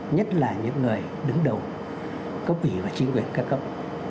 nhất là những người đứng đầu cấp ủy và chính quyền ca cấp